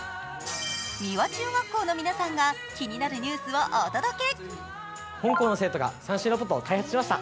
三和中学校の皆さんが気になるニュースをお届け。